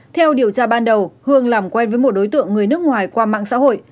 theo điều tra ban đầu hương làm quen với một đối tượng người nước ngoài qua mạng xã hội